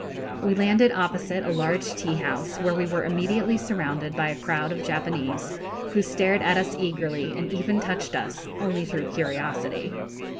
We landed opposite a large teahouse, where we were immediately surrounded by a crowd of Japanese, who stared at us eagerly and even touched us, only through curiosity.